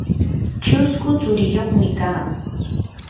chusku tsuriyuqmi kaa.